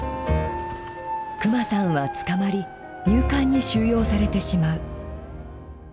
クマさんは捕まり入管に収容されてしまう。